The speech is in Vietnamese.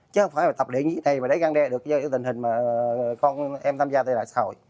chứ không phải là tập luyện như thế này mà răng đe được do tình hình mà con em tham gia tại lại xã hội